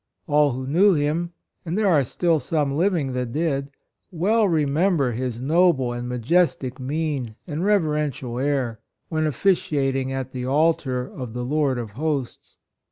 All who knew him (and there are still some living that did) well remember his noble and ma jestic mien and reverential air, 114 PASTORAL RELATIONS. when officiating at the altar of the Lord of Hosts.